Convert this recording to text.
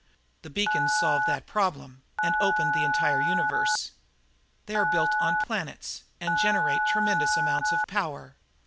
The beacons solved that problem and opened the entire universe. They are built on planets and generate tremendous amounts of power.